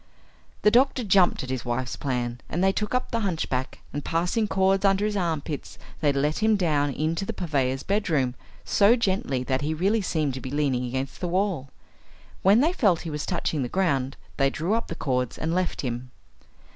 The doctor jumped at his wife's plan, and they took up the hunchback, and passing cords under his armpits they let him down into the purveyor's bed room so gently that he really seemed to be leaning against the wall. When they felt he was touching the ground they drew up the cords and left him.